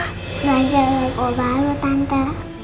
belajar lagu baru tante